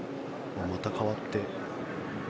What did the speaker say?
また変わって。